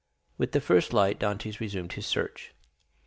With the first light Dantès resumed his search.